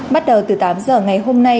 bắt đầu từ tám giờ ngày hôm nay